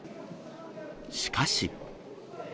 しかし。